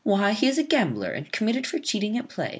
why, he is a gambler, and committed for cheating at play.